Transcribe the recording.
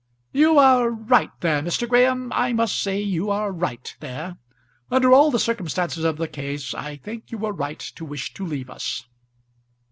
"You are right there, Mr. Graham. I must say you are right there. Under all the circumstances of the case I think you were right to wish to leave us."